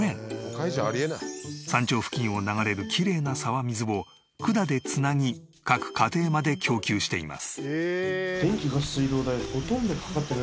山頂付近を流れるきれいな沢水を管で繋ぎ各家庭まで供給しています。